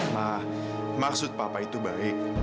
nah maksud papa itu baik